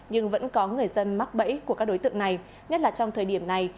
nhưng vẫn có người dân mắc bẫy của các đối tượng này nhất là trong thời điểm này